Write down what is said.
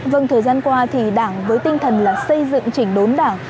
vâng thời gian qua thì đảng với tinh thần là xây dựng chỉnh đốn đảng